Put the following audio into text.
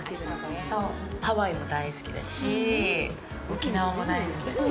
ハワイも大好きだし、沖縄も大好きだし。